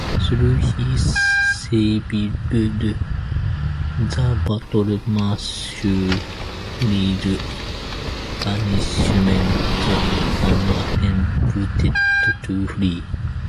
Though he survived the battle, Ma Su feared punishment and attempted to flee.